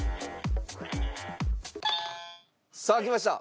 さあきました。